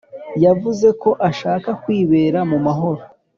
yavuze ko ashaka kwibera mu mahoro